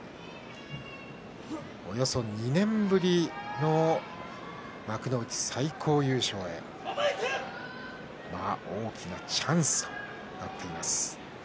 およそ２年ぶりの幕内最高優勝へ大きなチャンスとなっています。